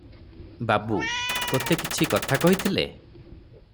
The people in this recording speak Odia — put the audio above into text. ବାବୁ- ତୋତେ କିଛି କଥା କହିଥିଲେ?